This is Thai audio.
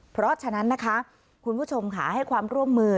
เพราะฉะนั้นนะคะคุณผู้ชมค่ะให้ความร่วมมือ